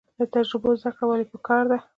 له تجربو زده کړه ولې پکار ده؟